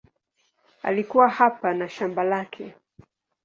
Alikuwa hapa na shamba lake.